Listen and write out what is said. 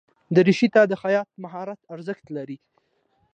دریشي ته د خیاط مهارت ارزښت لري.